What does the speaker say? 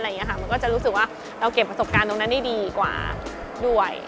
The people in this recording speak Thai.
มันก็จะรู้สึกว่าเราเก็บประสบการณ์ตรงนั้นได้ดีกว่าด้วย